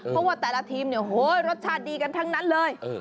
เพราะว่าแต่ละทีมเนี่ยโหรสชาติดีกันทั้งนั้นเลย